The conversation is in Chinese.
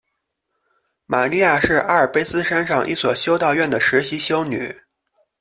玛莉亚是阿尔卑斯山上一所修道院的实习修女。